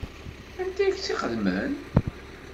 Anta i k-tt-ixedmen?